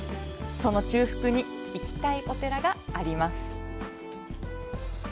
その中腹に行きたいお寺があります。